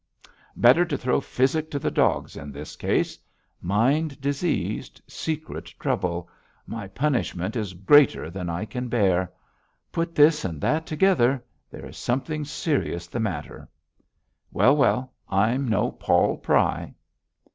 Better to throw physic to the dogs in his case. Mind diseased: secret trouble: my punishment is greater than I can bear. Put this and that together; there is something serious the matter. Well! well! I'm no Paul Pry.'